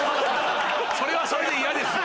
それはそれで嫌ですよ。